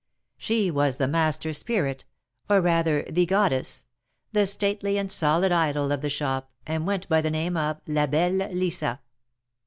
She was the master spirit, or rather the goddess — the stately and solid idol of the shop, and went by the name of 'Ma belle Lisa."